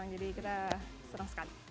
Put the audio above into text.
jadi kita serang sekali